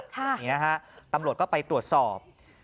นี่นะฮะตำรวจก็ไปตรวจสอบ